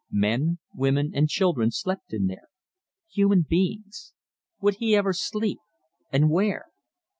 Men, women and children slept in there. Human beings. Would he ever sleep, and where?